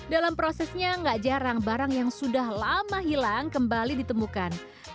dalam prosesnya gak jarang barang yang sudah lama hilang kembali ditemukan